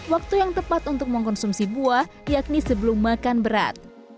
waktu yang tepat untuk mengkonsumsi buah yakni sebelum makan berat